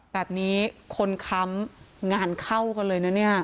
แบบนี้คนค้ำงานเข้ากันเลยนะเนี่ย